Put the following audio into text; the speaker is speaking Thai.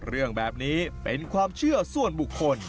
เรื่องแบบนี้เป็นความเชื่อส่วนบุคคล